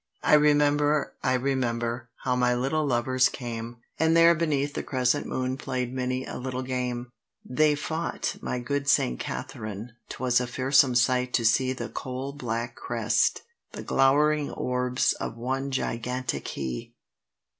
"I remember, I remember, how my little lovers came;" And there, beneath the crescent moon, play'd many a little game. They fought—by good St. Catharine, 'twas a fearsome sight to see The coal black crest, the glowering orbs, of one gigantic He.